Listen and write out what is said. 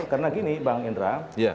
karena gini bang indra